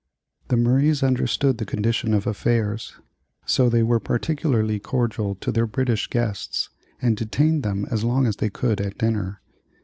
The Murrays understood the condition of affairs, so they were particularly cordial to their British guests and detained them as long as they could at dinner.